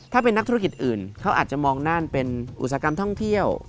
ถ้าเป็นนักธุรกิจอื่นเขาอาจจะมองนั่นเป็นอุตสาหกรรมท่องเที่ยว